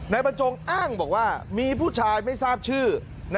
บรรจงอ้างบอกว่ามีผู้ชายไม่ทราบชื่อ